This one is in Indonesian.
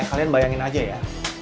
kalian bayangin aja ya